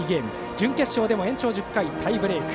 準決勝でも延長１０回タイブレーク。